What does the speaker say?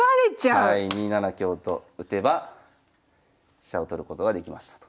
２七香と打てば飛車を取ることができましたと。